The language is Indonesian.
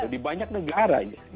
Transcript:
di banyak negara